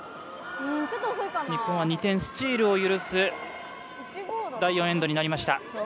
日本は２点スチールを許す第４エンドになりました。